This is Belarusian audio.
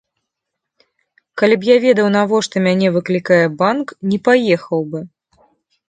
Калі б я ведаў, навошта мяне выклікае банк, не паехаў бы.